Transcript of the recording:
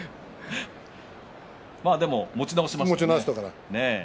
でも、持ち直しましたよね。